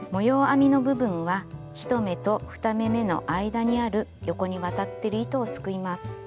編みの部分は１目と２目めの間にある横に渡ってる糸をすくいます。